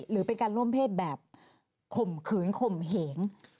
หรือเป็นการร่วมเพศแบบข่มขืนข่มเหง